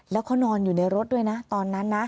แล้วเขานอนอยู่ในรถด้วยนะตอนนั้นนะ